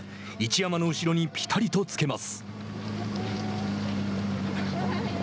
一山の後ろにぴたりとつけます。